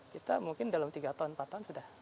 kita mungkin dalam tiga tahun empat tahun sudah